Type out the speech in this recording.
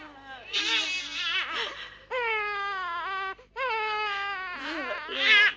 aku bisa bertingkah